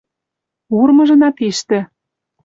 Урмыжына тиштӹ.